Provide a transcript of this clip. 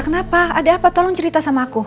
kenapa ada apa tolong cerita sama aku